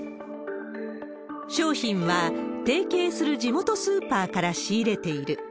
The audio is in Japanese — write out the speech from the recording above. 商品は提携する地元スーパーから仕入れている。